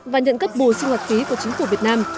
và nhận cấp bù sinh hoạt phí của chính phủ việt nam